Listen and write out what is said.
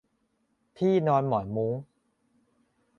ที่นอนหมอนมุ้ง